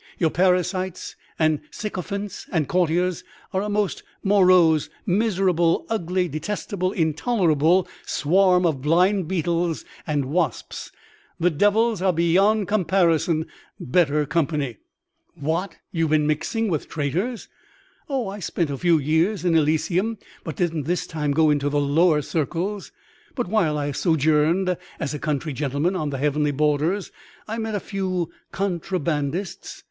Your parasites and sycophants and courtiers are a most morose, miserable, ugly, detestable, intolerable swarm of blind beetles and wasps; the devils are beyond comparison better company." "What! you have been mixing with traitors?" "Oh, I spent a few years in Elysium, but didn't this time go into the lower circles. But while I sojourned as a country gentleman on the heavenly borders, I met a few contrabandists.